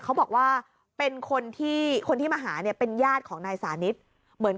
เขาบอกว่าเป็นคนที่คนที่มาหาเนี่ยเป็นญาติของนายสานิทเหมือน